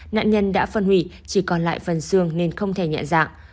nạn nhân đã phân hủy chỉ còn lại phần xương nên không thể nhẹ dạng